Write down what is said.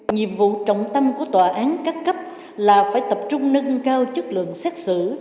nhiệm vụ trọng tâm của tòa án các cấp là phải tập trung nâng cao chất lượng xét xử